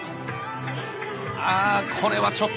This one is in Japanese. あこれはちょっと。